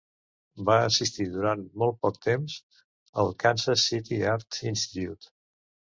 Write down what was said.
Va assistir durant molt poc temps al Kansas City Art Institute.